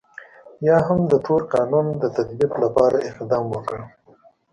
یا هم د تور قانون د تطبیق لپاره اقدام وکړ.